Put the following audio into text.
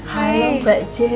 halo mbak jeng